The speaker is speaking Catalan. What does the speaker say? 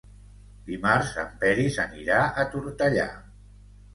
Dimarts en Peris anirà a Tortellà.